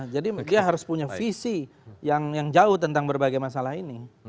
jadi dia harus punya visi yang jauh tentang berbagai masalah ini